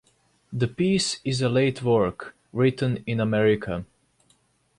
The piece is a late work, written in America.